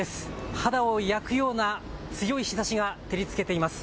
肌を焼くような強い日ざしが照りつけています。